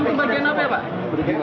bagian apa pak